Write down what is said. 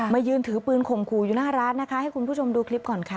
ยืนถือปืนข่มขู่อยู่หน้าร้านนะคะให้คุณผู้ชมดูคลิปก่อนค่ะ